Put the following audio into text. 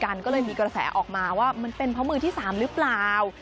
ก็เลยมีกระแสออกมาว่ามันเป็นเพราะมือที่๓หรือเปล่า